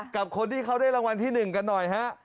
กับคนที่เขาได้รางวัลที่๑กันหน่อยฮะ